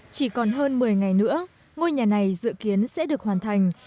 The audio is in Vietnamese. chỉ còn hơn một mươi ngày nữa ngôi nhà này dự kiến sẽ được hoàn thành